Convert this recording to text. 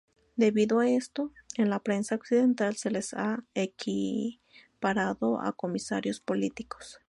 Debido a esto, en la prensa occidental se les ha equiparado a comisarios políticos.